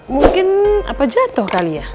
mungkin apa jatoh kali ya